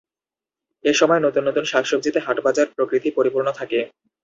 এসময় নতুন নতুন শাকসবজিতে হাট-বাজার, প্রকৃতি পরিপূর্ণ থাকে।